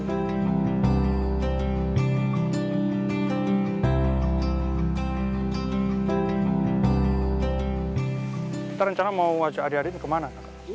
kita rencana mau ngajak adik adik kemana